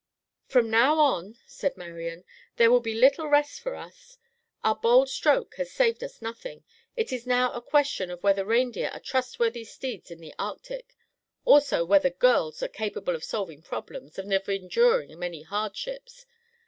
"From now on," said Marian, "there will be little rest for us. Our bold stroke has saved us nothing. It is now a question of whether reindeer are trustworthy steeds in the Arctic; also whether girls are capable of solving problems, and of enduring many hardships.